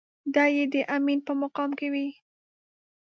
دی يې د امين په مقام کې وي.